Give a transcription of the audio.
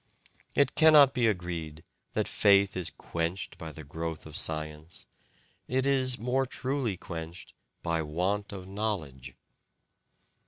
It cannot be agreed that faith is quenched by the growth of science: it is more truly quenched by want of knowledge."